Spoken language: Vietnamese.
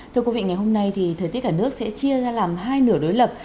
thưa quý vị ngày hôm nay thì thời tiết cả nước sẽ chia ra làm hai nửa đối lập